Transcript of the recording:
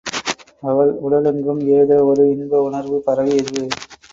அவள் உடலெங்கும் ஏதோ ஒரு இன்ப உணர்வு பரவியது.